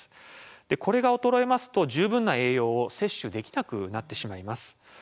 これが衰えますと十分な栄養を摂取できなくなってしまいます。